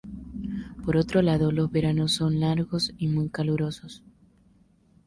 Por otro lado, los veranos son largos y muy calurosos.